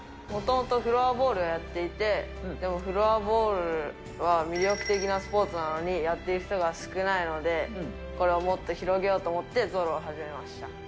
もともとフロアボールをやっていて、でもフロアボールは魅力的なスポーツなのにやっている人が少ないので、これをもっと広げようと思って、ゾロを始めました。